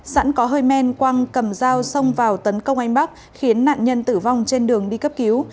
sẵn có hơi men quang cầm dao xông vào tấn công anh bắc khiến nạn nhân tử vong trên đường đi cấp cứu